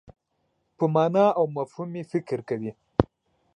په مانا او مفهوم یې فکر کوي.